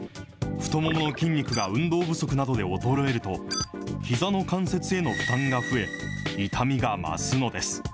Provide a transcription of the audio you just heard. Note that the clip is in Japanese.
太ももの筋肉が運動不足などで衰えると、ひざの関節への負担が増え、痛みが増すのです。